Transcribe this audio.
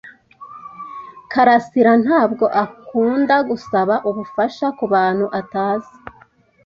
karasira ntabwo akunda gusaba ubufasha kubantu atazi.